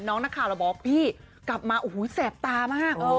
น้องหน้าข่าวแล้วบอกพี่กลับมาโอ้แซ่บตามาก